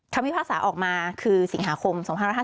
พิพากษาออกมาคือสิงหาคม๒๕๕๙